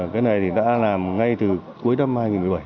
cái này thì đã làm ngay từ cuối năm hai nghìn một mươi bảy